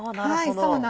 そうなんです。